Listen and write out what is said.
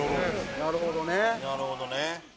蛍原：なるほどね。